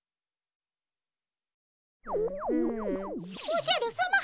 おじゃるさま